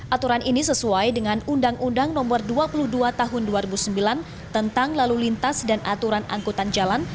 aturan ini sesuai dengan undang undang nomor dua puluh dua tahun dua ribu sembilan tentang lalu lintas dan aturan angkutan jalan